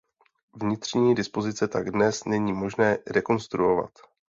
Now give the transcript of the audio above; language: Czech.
Vnitřní dispozice tak dnes není možné rekonstruovat.